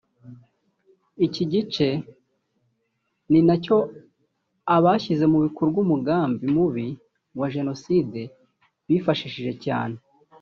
Iki gice ni na cyo abashyize mu bikorwa umugambi mubi wa Jenoside bifashishije cyane